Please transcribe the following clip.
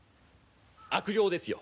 悪霊ですよ。